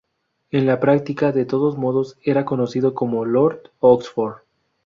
En la práctica, de todos modos, era conocido como Lord Oxford.